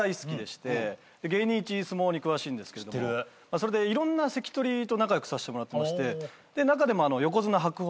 それでいろんな関取と仲良くさせてもらってまして中でも横綱白鵬